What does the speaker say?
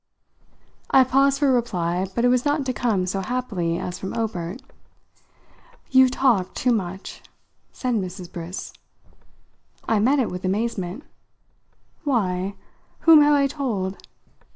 I paused for a reply, but it was not to come so happily as from Obert. "You talk too much!" said Mrs. Briss. I met it with amazement. "Why, whom have I told?"